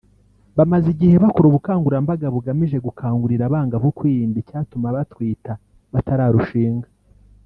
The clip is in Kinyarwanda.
bamaze igihe bakora ubukangurambaga bugamije gukangurira abangavu kwirinda icyatuma batwita batararushinga